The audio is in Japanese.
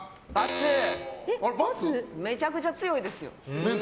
めちゃくちゃ強いですよ。